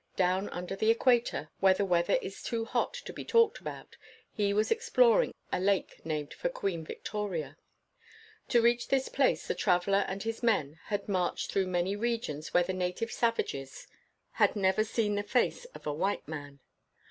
Down under the equator, where the weather is too hot to be talked about, he was explor ing a lake named for Queen Victoria. To reach this place the traveler and his men had marched through many regions where the native savages had never seen the 1 WHITE MAN OF WORK face of a white man.